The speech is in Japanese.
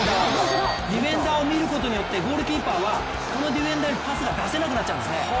ディフェンダーを見ることによってゴールキーパーはこのディフェンダーにパスを出せなくなるんです。